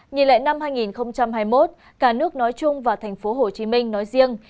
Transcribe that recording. nhìn lại năm hai nghìn hai mươi một cả nước nói chung và thành phố hồ chí minh nói riêng